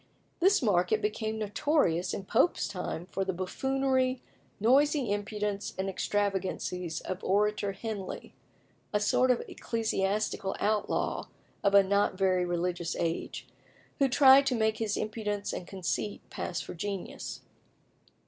This market became notorious in Pope's time for the buffoonery, noisy impudence, and extravagances of Orator Henley, a sort of ecclesiastical outlaw of a not very religious age, who tried to make his impudence and conceit pass for genius.